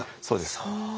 そうです。